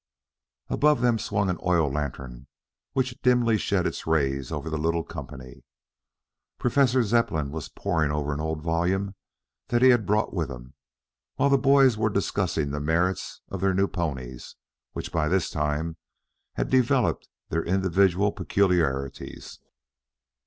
Above them swung an oil lantern which dimly shed its rays over the little company. Professor Zepplin was poring over an old volume that he had brought with him, while the boys were discussing the merits of their new ponies, which by this time had developed their individual peculiarities.